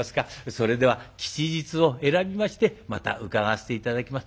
それでは吉日を選びましてまた伺わせて頂きます。